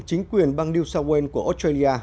chính quyền bang new south wales của australia